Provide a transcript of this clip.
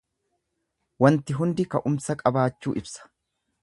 Wanti hundi ka'umsa qabaachuu ibsa.